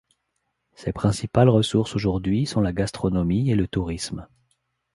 Ses principales ressources aujourd’hui sont la gastronomie et le tourisme.